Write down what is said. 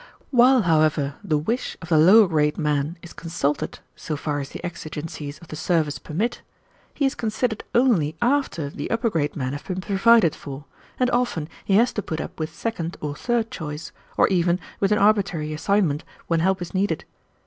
While, however, the wish of the lower grade man is consulted so far as the exigencies of the service permit, he is considered only after the upper grade men have been provided for, and often he has to put up with second or third choice, or even with an arbitrary assignment when help is needed.